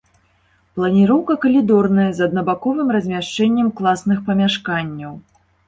Планіроўка калідорная з аднабаковым размяшчэннем класных памяшканняў.